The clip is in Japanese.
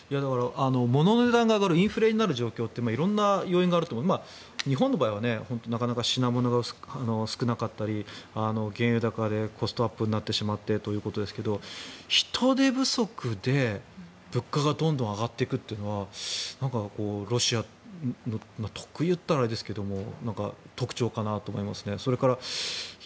物の値段が上がるインフレになる状況って色んな要因があると思うんですが日本の場合はなかなか品物が少なかったり原油高でコストアップになってしまってということですが人手不足で、物価がどんどん上がっていくというのはロシアの特有と言ったらあれですが特徴かなと思いますね。